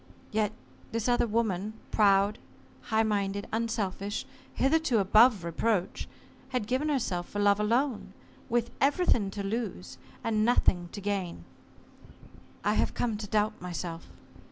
Yet this other woman, proud, high minded, unselfish, hitherto above reproach, had given herself for love alone with everything to lose and nothing to gain. I have come to doubt myself.